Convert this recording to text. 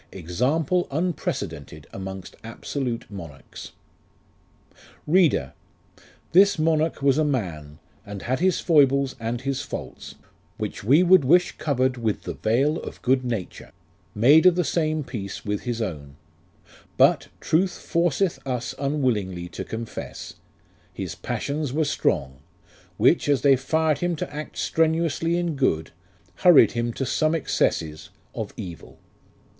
Example unprecedented amongst absolute monarchs. READEE. This monarch was a man, And had his foibles and his faults ; Which we would wish covered with the veil of good nature, Made of the same piece with his own : But, truth forceth us unwillingly to confess, His passions were strong ; Which, as they fired him to act strenuously in good, Hurried him to some excesses of evil.